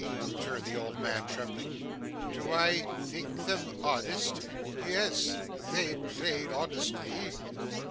returned the old man trembling. 'Do I think them honest yes, they played honestly.